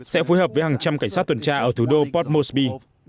sẽ phối hợp với hàng trăm cảnh sát tuần tra ở thủ đô port moresby